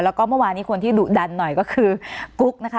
แล้วก็เมื่อวานนี้คนที่ดุดันหน่อยก็คือกุ๊กนะคะ